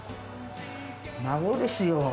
孫ですよ。